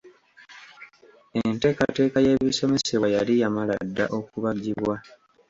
Enteekateeka y’ebisomesebwa yali yamala dda okubagibwa.